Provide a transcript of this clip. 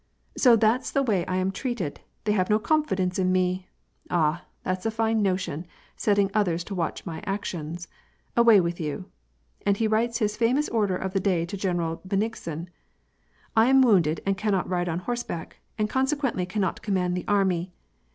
''So that's the way I am treated! They have no confidence in me! Ah, that's a fine notion, setting others to watch my actions! Away with you." And he writes his famous order of the day to Greueral Benlgsen :" I am wounded, and cannot ride on horseback, and consequently can not command the army.